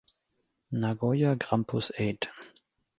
Nagoya Grampus Eight